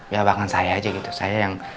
ya bahkan saya aja gitu saya yang